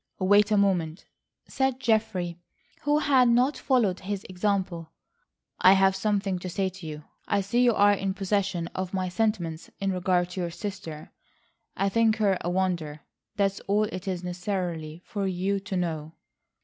"Wait a moment," said Geoffrey, who had not followed his example; "I have something to say to you. I see you are in possession of my sentiments in regard to your sister.... I think her a wonder,—that's all it is necessary for you to know."